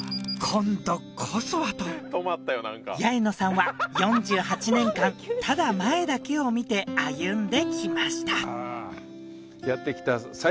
今度こそはと八重野さんは４８年間ただ前だけを見て歩んできました